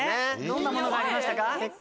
どんなものがありましたか？